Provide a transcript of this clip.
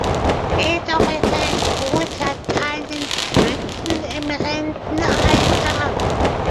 Jedoch ist ein großer Teil inzwischen im Rentenalter.